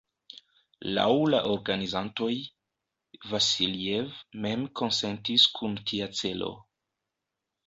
Laŭ la organizantoj, Vasiljev mem konsentis kun tia celo.